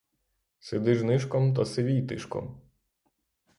Сиди ж нишком та сивій тишком.